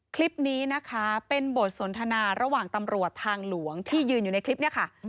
คลิปนี้นะคะเป็นบทสนทนาระหว่างตำรวจทางหลวงที่ยืนอยู่ในคลิปนี้ค่ะ